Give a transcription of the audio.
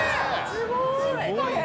すごい。